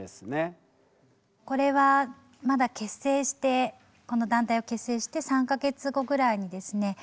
これはまだ結成してこの団体を結成して３か月後ぐらいにですね